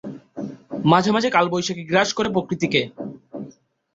মাঝে মাঝে কালবৈশাখী গ্রাস করে প্রকৃতিকে।